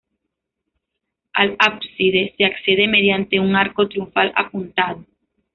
Al ábside se accede mediante un arco triunfal apuntado.